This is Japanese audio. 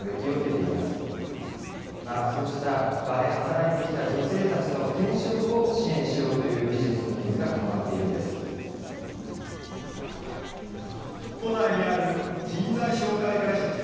そうした場で働いてきた女性たちの転職を支援しようというビジネスのニーズが高まっているんです。